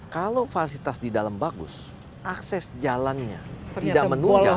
kalau fasilitas di dalam bagus akses jalannya tidak menunjang